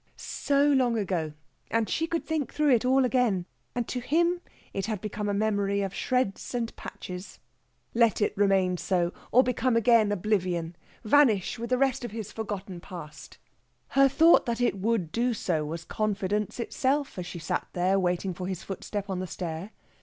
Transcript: So long ago! And she could think through it all again. And to him it had become a memory of shreds and patches. Let it remain so, or become again oblivion vanish with the rest of his forgotten past! Her thought that it would do so was confidence itself as she sat there waiting for his footstep on the stair.